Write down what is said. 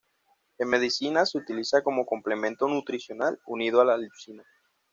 En Medicina se utiliza como complemento nutricional unido a la lisina.